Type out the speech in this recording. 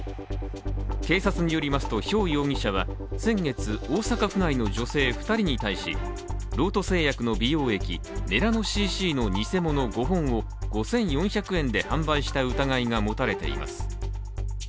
警察によりますとヒョウ容疑者は先月、大阪府内の女性２人に対しロート製薬の美容液メラノＣＣ．の偽物５本を５４００円で販売した疑いが持たれています。